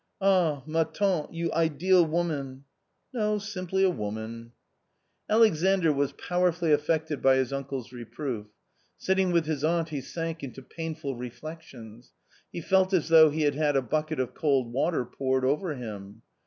" Ah, ma tante, you ideal woman !"" No ; simply a woman." A COMMON STORY 157 Alexandr was powerfully affected by his uncle's reproof. Sitting with his aunt he sank into painful reflections. He felt as though he had had a bucket of cold water poured over him.